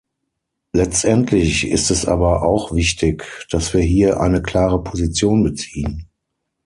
Letztendlich ist es aber auch wichtig, dass wir hier eine klare Position beziehen.